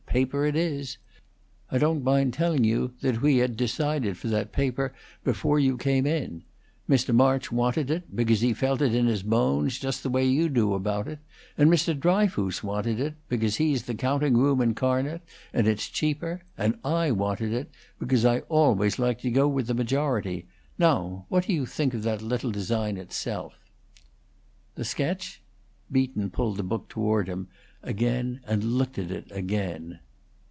Paper it is. I don't mind telling you that we had decided for that paper before you came in. Mr. March wanted it, because he felt in his bones just the way you do about it, and Mr. Dryfoos wanted it, because he's the counting room incarnate, and it's cheaper; and I wanted it, because I always like to go with the majority. Now what do you think of that little design itself?" "The sketch?" Beaton pulled the book toward him again and looked at it again.